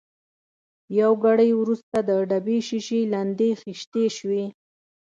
یو ګړی وروسته د ډبې شېشې لندې خېشتې شوې.